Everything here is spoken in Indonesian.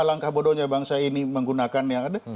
langkah bodohnya bangsa ini menggunakan yang ada